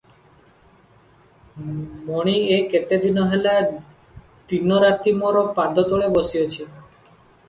ମଣି ଏ କେତେ ଦିନ ହେଲା ଦିନରାତି ମାର ପାଦତଳେ ବସିଅଛି ।